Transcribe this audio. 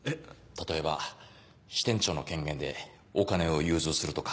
例えば支店長の権限でお金を融通するとか。